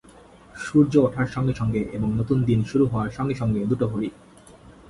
সূর্য ওঠার সঙ্গে সঙ্গে এবং নতুন দিন শুরু হওয়ার সঙ্গে সঙ্গে দুটো ঘড়ি।